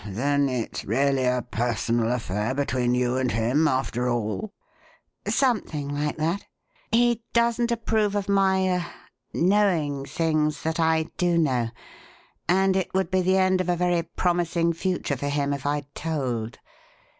"Oh, then, it's really a personal affair between you and him, after all?" "Something like that. He doesn't approve of my er knowing things that I do know; and it would be the end of a very promising future for him if I told.